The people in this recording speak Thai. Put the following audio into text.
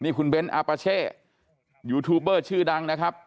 คุณเบ้นอาปาเช่ยูทูบเบอร์ชื่อดังนะครับ